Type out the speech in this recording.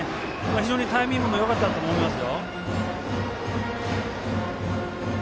非常にタイミングもよかったと思います。